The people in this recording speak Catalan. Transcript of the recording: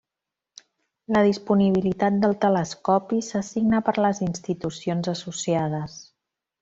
La disponibilitat del telescopi s'assigna per les institucions associades.